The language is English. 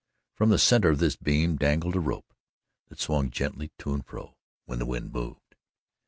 From the centre of this beam dangled a rope that swung gently to and fro when the wind moved.